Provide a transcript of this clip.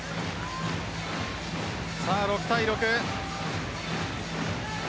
６対６。